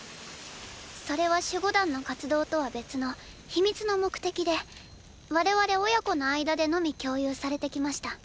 それは守護団の活動とは別のヒミツの目的で我々親子の間でのみ共有されてきました。